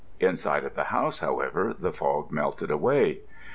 Inside of the house, however, the fog melted away.